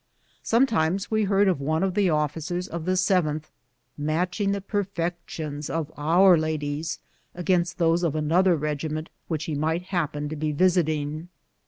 Some times we heard of one of the officers of the 7th matching the perfections of our ladies against those of another regiment which he might happen to be visiting.